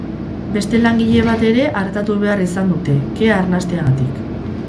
Beste langile bat ere artatu behar izan dute, kea arnasteagatik.